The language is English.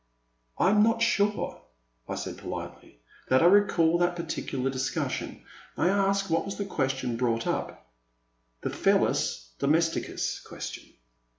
''I am not sure," I said politely, that I recall that particular discussion. May I ask what was the question brought up ?'The Pelis Domesticus question."